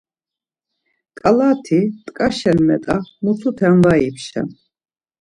Ǩalati mt̆ǩaşen met̆a mututen var ipşen.